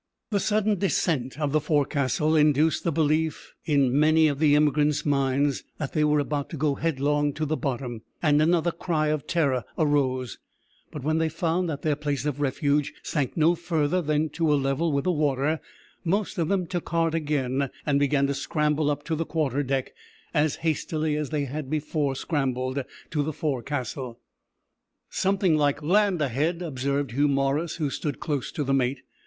The sudden descent of the forecastle induced the belief an many of the emigrants' minds that they were about to go headlong to the bottom, and another cry of terror arose; but when they found that their place of refuge sank no further than to a level with the water, most of them took heart again, and began to scramble up to the quarter deck as hastily as they had before scrambled to the forecastle. "Something like land ahead," observed Hugh Morris, who stood close to the mate.